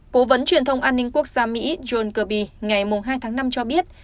cố vấn truyền thông an ninh quốc gia mỹ john kirby ngày hai tháng năm cho biết